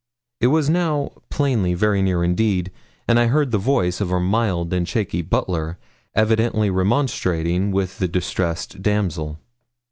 It was now plainly very near indeed, and I heard the voice of our mild and shaky butler evidently remonstrating with the distressed damsel.